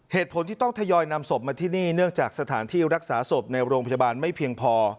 เหตุผลที่ต้องทยอยนำศพมาที่นี่เนื่องจากสถานที่รักษาศพในโรงพยาบาลไม่เพียงพอ